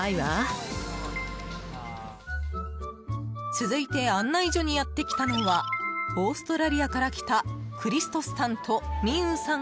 続いて案内所にやってきたのはオーストラリアから来たクリストスさんとミンウさん